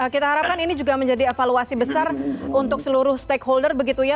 kita harapkan ini juga menjadi evaluasi besar untuk seluruh stakeholder begitu ya